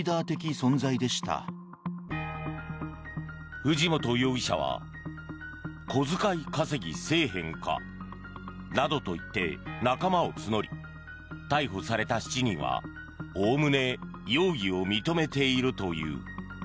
藤本容疑者は小遣い稼ぎせえへんかなどと言って仲間を募り、逮捕された７人はおおむね容疑を認めているという。